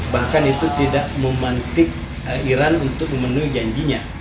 bahkan itu tidak memantik iran untuk memenuhi janjinya